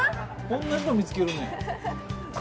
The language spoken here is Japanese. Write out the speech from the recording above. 同じの見つけるね